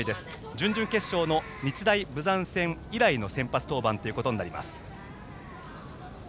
準々決勝の日大豊山戦以来の先発登板となります。